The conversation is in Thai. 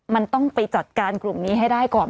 มันต้องไปจัดการกลุ่มนี้ให้ได้ก่อน